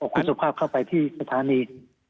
คุณสุภาพเข้าไปที่สถานี